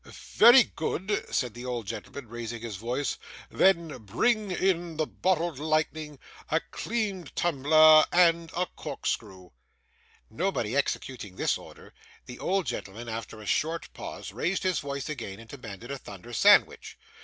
'Very good,' said the old gentleman, raising his voice, 'then bring in the bottled lightning, a clean tumbler, and a corkscrew.' Nobody executing this order, the old gentleman, after a short pause, raised his voice again and demanded a thunder sandwich.